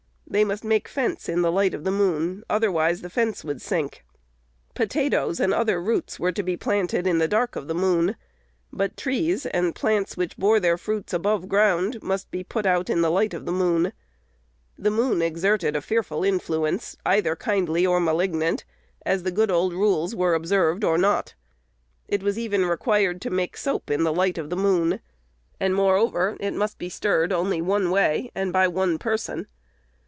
They must make fence in "the light of the moon;" otherwise, the fence would sink. Potatoes and other roots were to be planted in the "dark of the moon," but trees, and plants which bore their fruits above ground, must be "put out in the light of the moon." The moon exerted a fearful influence, either kindly or malignant, as the good old rules were observed or not. It was even required to make soap "in the light of the moon," and, moreover, it must be stirred only one way, and by one person.